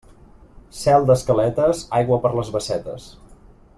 Cel d'escaletes, aigua per les bassetes.